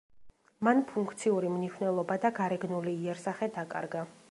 მან ფუნქციური მნიშვნელობა და გარეგნული იერსახე დაკარგა.